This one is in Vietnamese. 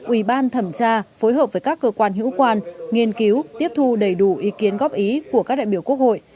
ubthqh phối hợp với các cơ quan hữu quan nghiên cứu tiếp thu đầy đủ ý kiến góp ý của các đại biểu quốc hội